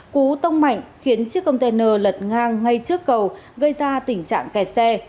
cú tông mạnh khiến chiếc container lật ngang ngay trước cầu gây ra tình trạng kẹt xe